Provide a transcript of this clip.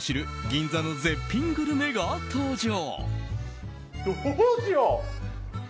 銀座の絶品グルメが登場。